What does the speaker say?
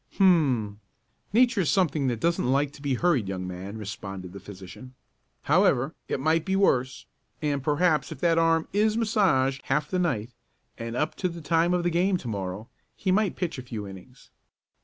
"Hum! Nature is something that doesn't like to be hurried, young man," responded the physician. "However, it might be worse, and perhaps if that arm is massaged half the night and up to the time of the game to morrow, he might pitch a few innings."